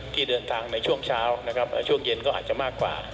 ที่เดินทางในช่วงเช้านะครับช่วงเย็นก็อาจจะมากกว่า